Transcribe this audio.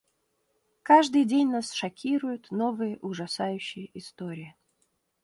Каждый день нас шокируют новые ужасающие истории.